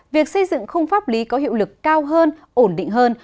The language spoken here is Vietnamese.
việc xây dựng khung pháp lý có hiệu lực cao hơn ổn định hơn